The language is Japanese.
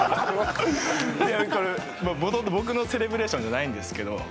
もともと僕のセレブレーションじゃないんですけど。